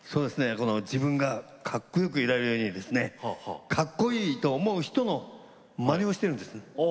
自分がかっこよくいられるようにかっこいいと思う人のまねをしてるんですね。